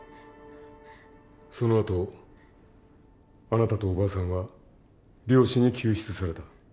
そのあとあなたとおばあさんは猟師に救出された。